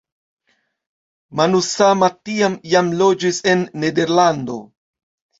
Manusama tiam jam loĝis en Nederlando.